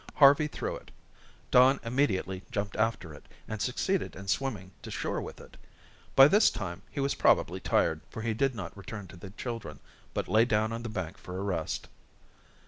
Harvey threw it. Don immediately jumped after it, and succeeded in swimming to shore with it. By this time, he was probably tired, for he did not return to the children, but lay down on the bank for a rest.